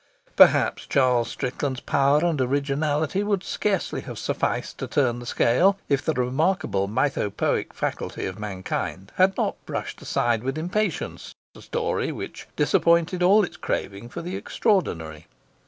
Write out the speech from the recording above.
Perhaps Charles Strickland's power and originality would scarcely have sufficed to turn the scale if the remarkable mythopoeic faculty of mankind had not brushed aside with impatience a story which disappointed all its craving for the extraordinary.